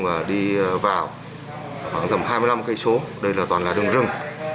và đi vào khoảng gầm hai mươi năm cây số đây là toàn là đường rừng